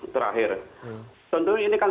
terakhir tentu ini kan